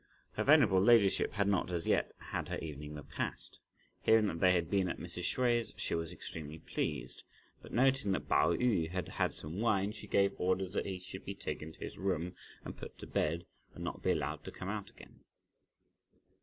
Her venerable ladyship had not, as yet, had her evening repast. Hearing that they had been at Mrs. Hsüeh's, she was extremely pleased; but noticing that Pao yü had had some wine, she gave orders that he should be taken to his room, and put to bed, and not be allowed to come out again.